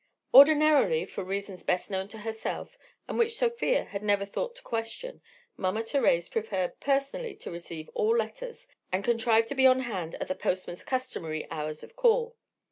Ordinarily, for reasons best known to herself and which Sofia had never thought to question, Mama Thérèse preferred personally to receive all letters and contrived to be on hand at the postman's customary hours of call.